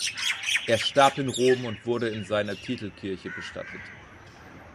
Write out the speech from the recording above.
Er starb in Rom und wurde in seiner Titelkirche bestattet.